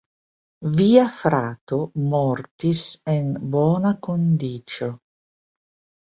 Via frato mortis en bona kondiĉo.